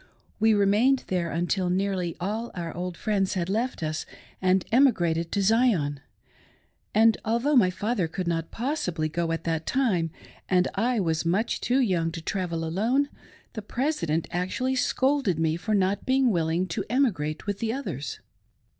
We remained there until nearly all our old friends had left us and emigrated to Zion ; and although my father could not possibly go at that time, and I was much too young to travel alone, the President actually scolded me for not being willing to emigrate with the others.